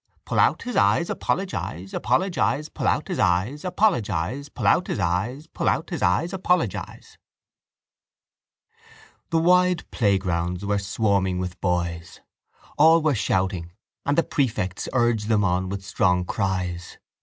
— Pull out his eyes, Apologise, Apologise, Pull out his eyes. Apologise, Pull out his eyes, Pull out his eyes, Apologise. The wide playgrounds were swarming with boys. All were shouting and the prefects urged them on with strong cries.